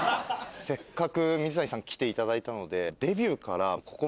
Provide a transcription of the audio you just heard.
せっかく水谷さん来ていただいたので。